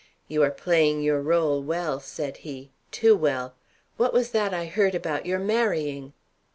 "You are playing your rôle well," said he; "too well. What was that I heard about your marrying?"